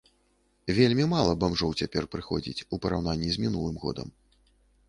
Вельмі мала бамжоў цяпер прыходзіць, ў параўнанні з мінулым годам.